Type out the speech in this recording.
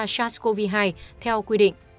sars cov hai theo quy định